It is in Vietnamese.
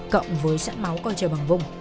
cộng với sẵn máu coi trời bằng vùng